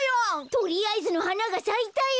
とりあえずのはながさいたよ！